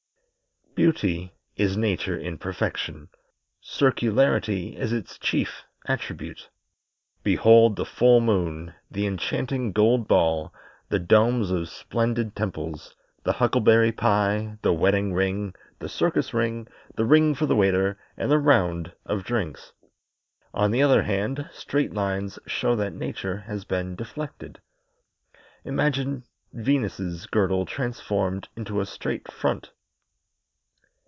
Beauty is Nature in perfection; circularity is its chief attribute. Behold the full moon, the enchanting golf ball, the domes of splendid temples, the huckleberry pie, the wedding ring, the circus ring, the ring for the waiter, and the "round" of drinks. On the other hand, straight lines show that Nature has been deflected. Imagine Venus's girdle transformed into a "straight front"!